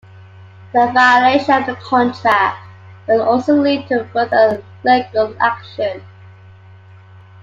The violation of the contract will also lead to further legal action.